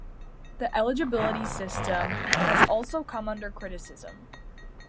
The eligibility system has also come under criticism.